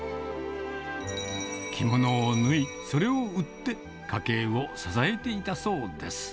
着物を縫い、それを売って家計を支えていたそうです。